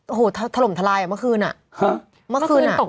โอ้โหถล่มทะลายอ่ะเมื่อคืนอ่ะเมื่อคืนอ่ะเมื่อคืนอ่ะ